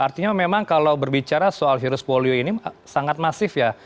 artinya memang kalau berbicara soal virus polio ini sangat masif ya